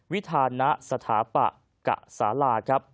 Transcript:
วิธานสถาปะกสารา